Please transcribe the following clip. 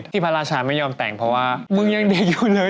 พระราชาไม่ยอมแต่งเพราะว่ามึงยังเด็กอยู่เลย